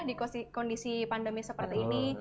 di kondisi pandemi seperti ini